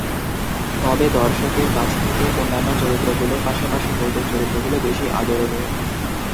তবে দর্শকের কাছে তার অন্যান্য চরিত্রগুলোর পাশাপাশি কৌতুক চরিত্রগুলো বেশি আদরণীয়।